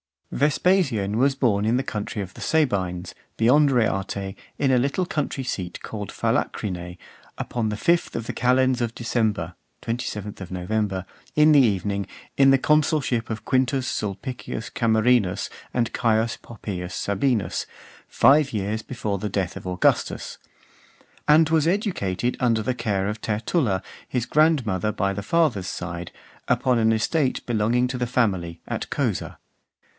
II. Vespasian was born in the country of the Sabines, beyond Reate, in a little country seat called Phalacrine, upon the fifth of the calends of December [27th November], in the evening, in the consulship of Quintus Sulpicius Camerinus and Caius Poppaeus Sabinus, five years before the death of Augustus ; and was educated under the care of Tertulla, his grandmother by the father's side, upon an estate belonging to the family, at Cosa .